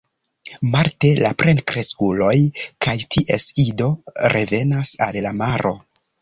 Marte la plenkreskuloj kaj ties ido revenas al la maro.